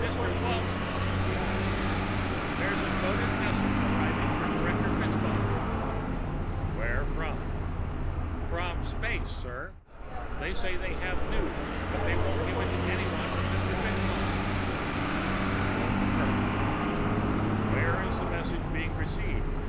"Mr. Walton," said the annunciator. "There's a coded message arriving for Director FitzMaugham." "Where from?" "From space, sir. They say they have news, but they won't give it to anyone but Mr. FitzMaugham." Walton cursed. "Where is this message being received?"